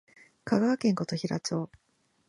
香川県琴平町